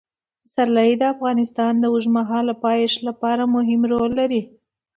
پسرلی د افغانستان د اوږدمهاله پایښت لپاره مهم رول لري.